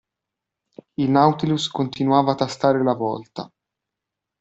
Il Nautilus continuava a tastare la vòlta.